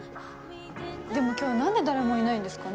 でも今日何で誰もいないんですかね。